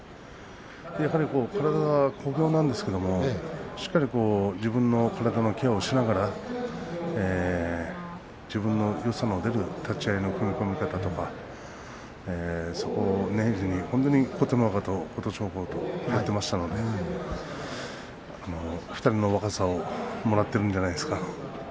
やはり体は小兵なんですけどしっかり自分の体のケアをしながら自分のよさの出る立ち合いの踏み込み方とかそこを念入りに琴ノ若と琴勝峰とやっていましたので２人の若さをもらっているんじゃないですか。